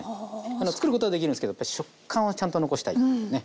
つくることはできるんですけどやっぱ食感をちゃんと残したいね。